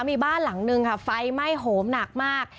มีบ้านหลังนึงค่ะไฟไหม้โหมหนักมาก